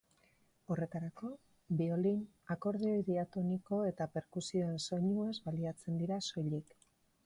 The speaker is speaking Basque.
Horretarako, biolin, akordeoi diatoniko eta perkusioen soinuez baliatzen dira soilik.